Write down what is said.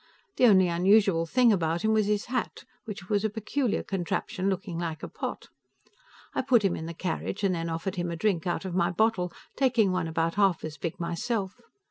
The only unusual thing about him was his hat, which was a peculiar contraption, looking like a pot. I put him in the carriage, and then offered him a drink out of my bottle, taking one about half as big myself.